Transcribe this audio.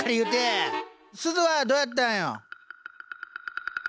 すずはどうやったんよ？